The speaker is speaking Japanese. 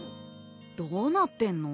どうなってんの？